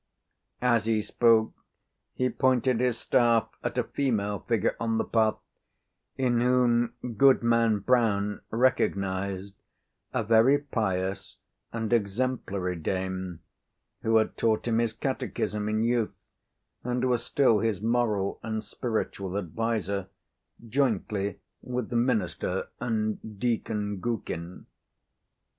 As he spoke he pointed his staff at a female figure on the path, in whom Goodman Brown recognized a very pious and exemplary dame, who had taught him his catechism in youth, and was still his moral and spiritual adviser, jointly with the minister and Deacon Gookin.